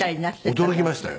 驚きましたよ。